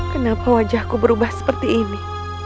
kenapa wajahku berubah seperti ini